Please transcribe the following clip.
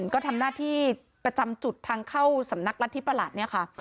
ก็ทำหน้าที่ประจำจุดทางเข้าสำนักรัฐธิประหลัดเนี่ยค่ะ